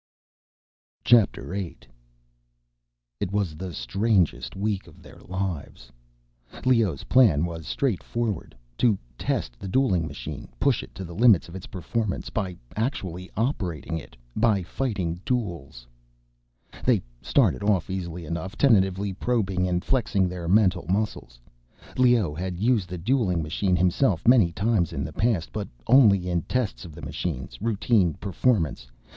VIII It was the strangest week of their lives. Leoh's plan was straightforward: to test the dueling machine, push it to the limits of its performance, by actually operating it—by fighting duels. They started off easily enough, tentatively probing and flexing their mental muscles. Leoh had used the dueling machine himself many times in the past, but only in tests of the machines' routine performance.